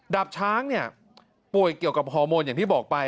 ดาบช้างเนี่ยป่วยเกี่ยวกับฮอร์โมนอย่างที่บอกไป